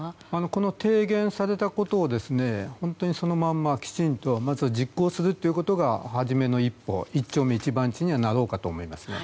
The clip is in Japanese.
この提言されたことを本当にそのままきちんとまず実行するということがはじめの一歩一丁目一番地にはなろうかと思います。